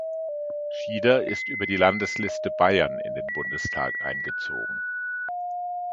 Schieder ist über die Landesliste Bayern in den Bundestag eingezogen.